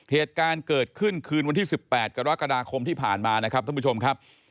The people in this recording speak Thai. เหตุการณ์เกิดขึ้นคืนวันที่๑๘กรกฎาคมที่ผ่านมานะครับท่านผู้ชมครับ